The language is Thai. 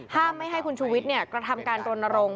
ห้ามให้คุณชุวิตกระทำการตรนรงค์